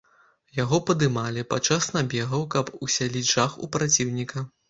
Яго падымалі падчас набегаў, каб усяліць жах у праціўніка.